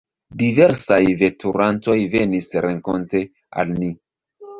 Diversaj veturantoj venis renkonte al ni.